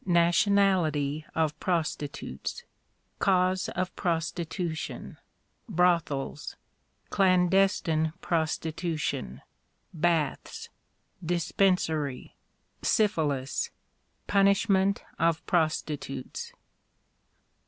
Nationality of Prostitutes. Causes of Prostitution. Brothels. Clandestine Prostitution. Baths. Dispensary. Syphilis. Punishment of Prostitutes.